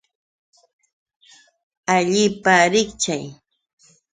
Allipa richkay.